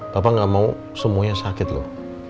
papa gak mau semuanya sakit loh